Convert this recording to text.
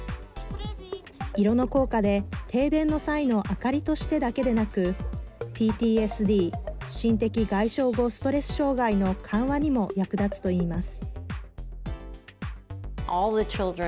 色の効果で停電の際の明かりとしてだけでなくＰＴＳＤ＝心的外傷後ストレス障害の緩和にも役立つと言います。